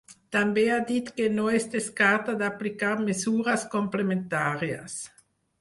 També ha dit que no es descarta d’aplicar mesures complementàries.